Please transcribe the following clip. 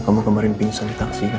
kamu kemarin pingsan di taksi kan